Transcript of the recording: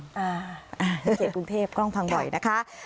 เขตกรุงเทพกล้องพังบ่อยนะคะ